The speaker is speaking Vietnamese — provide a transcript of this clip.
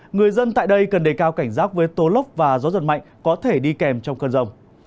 người dân tại đây cần đề cao cảnh giác với tố lốc và gió giật mạnh có thể đi kèm trong cơn rông